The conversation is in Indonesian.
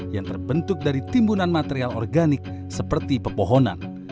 yang terbentuk dari timbunan material organik seperti pepohonan